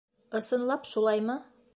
Ысынлап шулаймы?